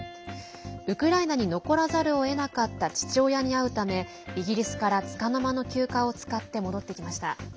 ウクライナに残らざるをえなかった父親に会うためイギリスからつかの間の休暇を使って戻ってきました。